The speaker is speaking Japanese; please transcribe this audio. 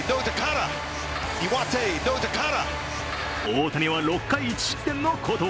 大谷は６回１失点の好投。